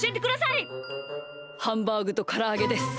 ハンバーグとからあげです。